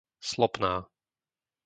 Slopná